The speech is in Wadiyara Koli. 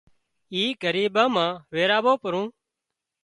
اِي ڳريٻان مان ويرايُون پرون